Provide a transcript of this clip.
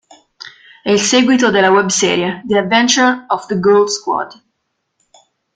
È il seguito della webserie "The Adventure of the Ghoul Squad".